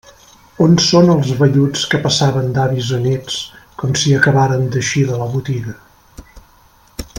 On són els velluts que passaven d'avis a néts, com si acabaren d'eixir de la botiga?